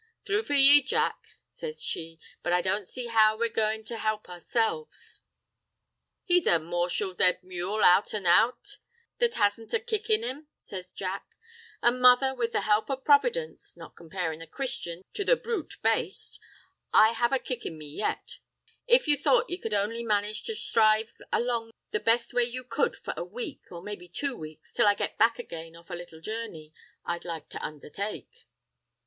"Thrue for ye, Jack," says she, "but I don't see how we're goin' to help ourselves." "He's a mortial dead mule out an' out that hasn't a kick in him," says Jack. "An', mother, with the help of Providence—not comparin' the Christian to the brute baste—I have a kick in me yet; if you thought ye could only manage to sthrive along the best way you could for a week, or maybe two weeks, till I get back again off a little journey I'd like to undhertake."